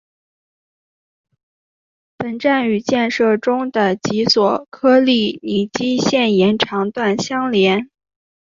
本站与建设中的及索科利尼基线延长段相连。